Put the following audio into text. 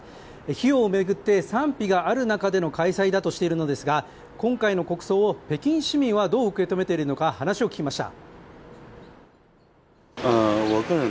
費用を巡って賛否がある中での開催だとしているのですが今回の国葬を北京市民はどう受け止めているのか、話を聞きました。